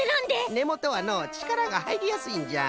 ねもとはのうちからがはいりやすいんじゃ。